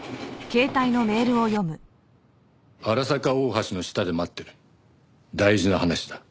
「荒坂大橋の下で待ってる」「大事な話だ」